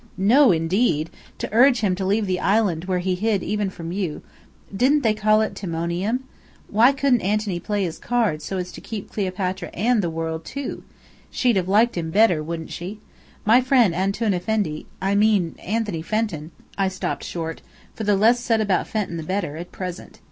"No, indeed: to urge him to leave the island where he hid even from you (didn't they call it Timoneum?). Why couldn't Antony play his cards so as to keep Cleopatra and the world, too? She'd have liked him better, wouldn't she? My friend Antoun Effendi I mean Anthony Fenton," I stopped short: for the less said about Fenton the better, at present.